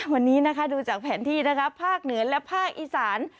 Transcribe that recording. วันนี้นะคะดูจากแผนที่นะคะภาคเหนือและภาคอีสาน